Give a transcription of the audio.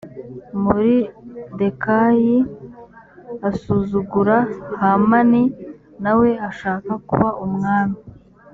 moridekayi asuzugura hamani na we ashaka kuba umwami